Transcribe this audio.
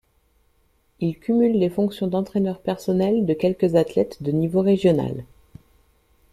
Il cumule les fonctions d'entraîneur personnel de quelques athlètes de niveau régional.